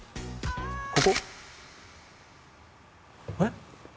ここ？えっ？